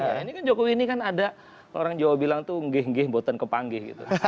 nah ini kan jokowi ini kan ada orang jawa bilang tuh ngeh ngeh buatan kepanggih gitu